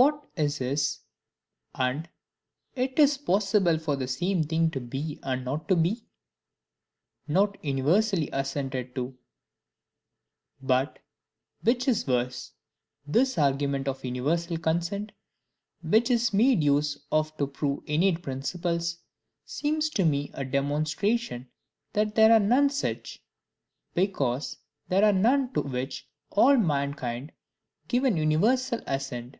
"What is is," and "It is possible for the same Thing to be and not to be," not universally assented to. But, which is worse, this argument of universal consent, which is made use of to prove innate principles, seems to me a demonstration that there are none such: because there are none to which all mankind give an universal assent.